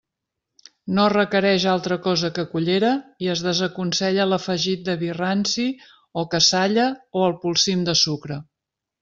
No requereix altra cosa que cullera i es desaconsella l'afegit de vi ranci o cassalla o el polsim de sucre.